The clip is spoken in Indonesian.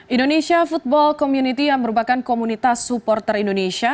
indonesia football community yang merupakan komunitas supporter indonesia